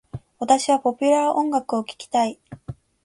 私はポピュラー音楽を聞きたい。